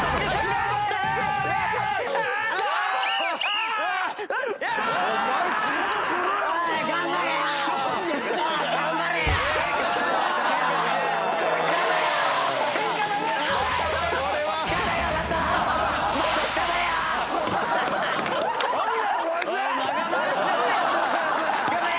頑張れよ！